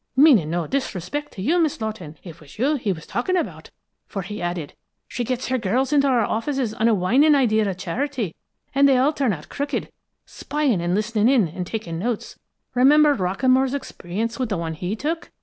Meaning no disrespect to you, Miss Lawton, it was you he was talking about, for he added: 'She gets her girls into our offices on a whining plea of charity, and they all turn out crooked, spying and listening in, and taking notes. Remember Rockamore's experience with the one he took?